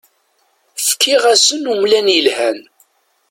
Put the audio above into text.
Fkiɣ-asen umlan yelhan.